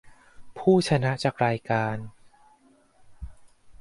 ผู้ชนะจากรายการ